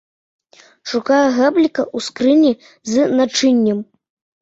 Шукае гэбліка ў скрыні з начыннем.